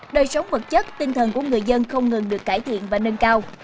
đời sống vật chất tinh thần của người dân không ngừng được cải thiện và nâng cao